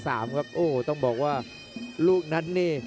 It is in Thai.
โอ้โหต้องบอกว่าลูกนั้นนี่